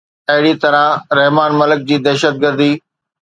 اهڙي طرح رحمان ملڪ جي دهشتگردي